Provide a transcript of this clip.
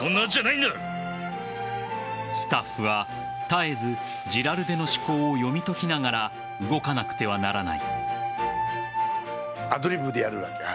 スタッフは絶えずジラルデの思考を読み解きながら動かなくてはならない。